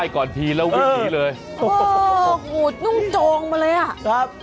กูพูดนุ่มโจงไปเลย